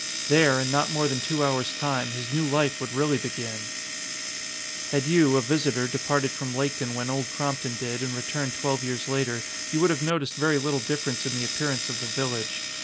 There, in not more than two hours time, his new life would really begin! Had you, a visitor, departed from Laketon when Old Crompton did and returned twelve years later, you would have noticed very little difference in the appearance of the village.